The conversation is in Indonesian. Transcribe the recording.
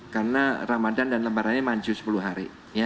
karena ramadhan dan lebarannya maju sekali